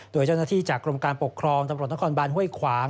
โดยเจ้าหน้าที่จากกรมการปกครองตำรวจนักความบรรเวณห้วยคว้าง